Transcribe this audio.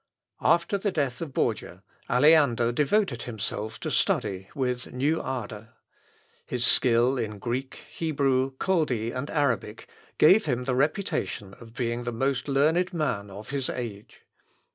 After the death of Borgia, Aleander devoted himself to study with new ardour. His skill in Greek, Hebrew, Chaldee, and Arabic, gave him the reputation of being the most learned man of his age.